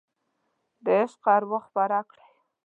د عشق اروا خپره کړئ